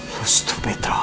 cara kamu lebih murah